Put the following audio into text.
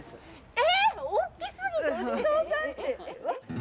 え！